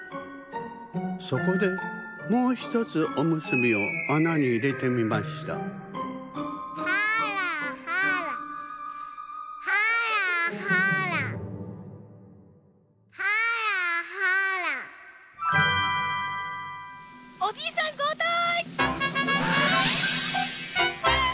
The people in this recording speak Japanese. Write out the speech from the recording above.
そこでもうひとつおむすびをあなにいれてみましたおじいさんこうたい！